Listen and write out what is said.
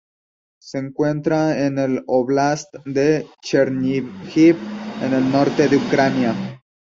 Se encuentra en el óblast de Cherníhiv en el norte de Ucrania.